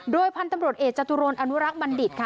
โดยพันธุ์ตำรวจเอกจตุรนอนุรักษ์บัณฑิตค่ะ